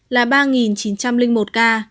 là ba chín trăm linh một ca